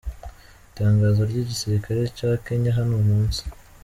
Itangazo ry'igisirikare ca Kenya hano munsi.